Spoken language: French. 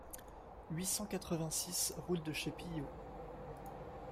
huit cent quatre-vingt-six route de Chez Pilloux